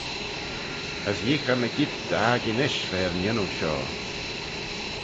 As yeeagh eh mygeayrt dy akin ish v'er n'yannoo shoh.